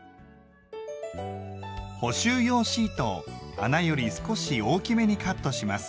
補修用シートを穴より少し大きめにカットします。